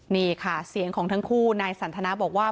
นี่ค่ะเสียงของทั้งคู่นายสันทนาบอกว่า